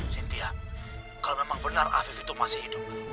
sintia kalau memang benar afif itu masih hidup